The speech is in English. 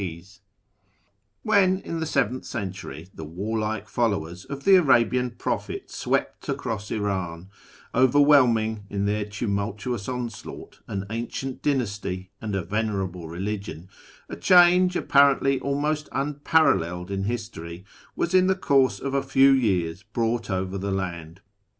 MYSTICISM, METAPHYSIC, AND MAGIC 123 When, in the seventh century, the warlike followers of the Arabian j)rophet swept across Iran, overwhelming, in their tumultuous onslaught, an ancient dynasty and a venerable religion, a change, apparently almost unparalleled in history, was in the course of a few years brought over the land.